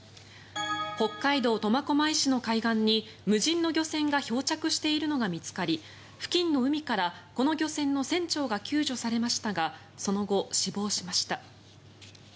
北海道苫小牧市の海岸に無人の漁船が漂着しているのが見つかり付近の海からこの漁船の船長が救助されましたがその後、死亡しました。